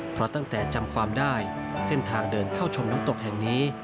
เพราะตั้งแต่จำความได้เส้นทางเดินเข้าชมน้ำตกแห่งนี้